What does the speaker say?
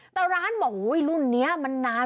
แต่ร้านบอกรุ่นนี้มันนาน